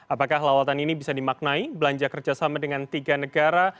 apakah lawatan ini bisa dimaknai belanja kerjasama dengan tiga negara